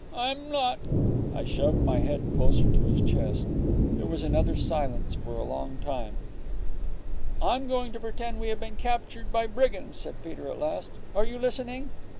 'I'm not!' I shoved my head closer against his chest. There was another silence for a long time. 'I'm going to pretend we have been captured by brigands,' said Peter at last. 'Are you listening?